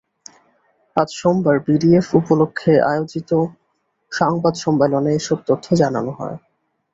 আজ সোমবার বিডিএফ উপলক্ষে আয়োজিত সংবাদ সম্মেলনে এসব তথ্য জানানো হয়।